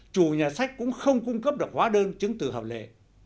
chủ nhà sách cũng không cung cấp được hóa đơn chứng từ hợp lệ